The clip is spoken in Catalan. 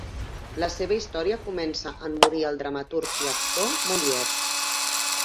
La seva història comença en morir el dramaturg i actor Molière.